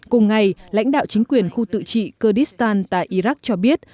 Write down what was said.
cùng ngày lãnh đạo chính quyền khu tự trị kurdystan tại iraq cho biết